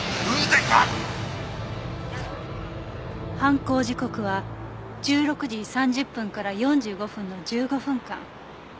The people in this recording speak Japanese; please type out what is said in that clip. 犯行時刻は１６時３０分から４５分の１５分間。